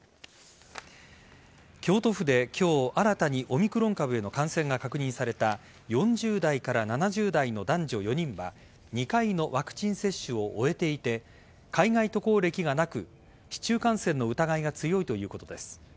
京都府で今日新たにオミクロン株への感染が確認された４０代から７０代の男女４人は２回のワクチン接種を終えていて海外渡航歴がなく市中感染の疑いが強いということです。